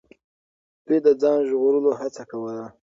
دوی د ځان ژغورلو هڅه کوله.